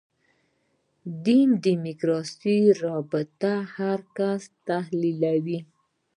دین دیموکراسي رابطې هر کس تحلیلوي.